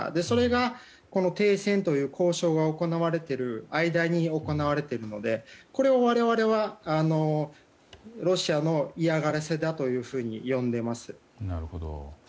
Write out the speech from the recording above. それが、この停戦という交渉が行われている間に行われているのでこれを我々はロシアの嫌がらせだというふうに読んでます。